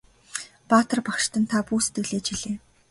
Баатар багштан та бүү сэтгэлээ чилээ!